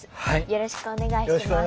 よろしくお願いします。